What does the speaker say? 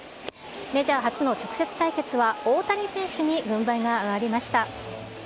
メジャー初の直接対決は大谷選手に軍配が上がりました。